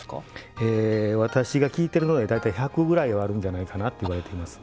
私が聞いてるのが大体１００ぐらいはあるんじゃないかなといわれています。